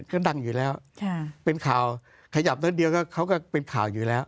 ก็ดังอยู่แล้วเป็นข่าวขยับด้านเดียวก็เขาก็เป็นข่าวอยู่แล้ว